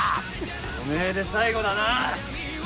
おめえで最後だな。